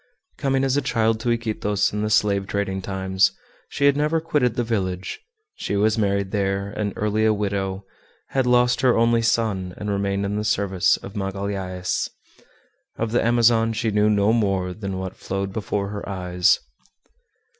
Coming as a child to Iquitos in the slave trading times, she had never quitted the village; she was married there, and early a widow, had lost her only son, and remained in the service of Magalhaës. Of the Amazon she knew no more than what flowed before her eyes.